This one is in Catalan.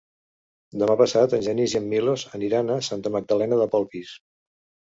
Demà passat en Genís i en Milos aniran a Santa Magdalena de Polpís.